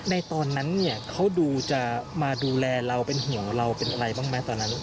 ตอนนั้นเนี่ยเขาดูจะมาดูแลเราเป็นห่วงเราเป็นอะไรบ้างไหมตอนนั้น